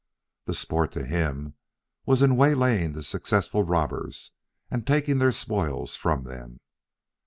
The sport to him, was in waylaying the successful robbers and taking their spoils from them.